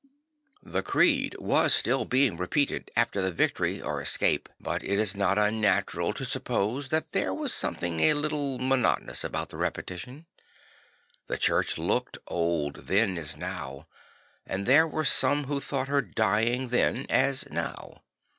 The creed was still being repeated after the victory or escape; but it is not unnatural to suppose that there was something a little monotonous about the repetition. The Church looked old then as now; and there were some who thought her dying then as now.